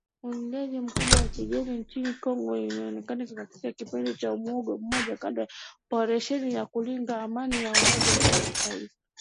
uingiliaji mkubwa wa kigeni nchini Kongo umeonekana katika kipindi cha muongo mmoja kando na operesheni ya kulinda Amani ya Umoja wa Mataifa